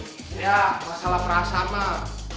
ya masalah perasaan mah